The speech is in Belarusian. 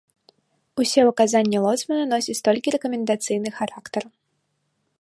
Усе ўказанні лоцмана носяць толькі рэкамендацыйны характар.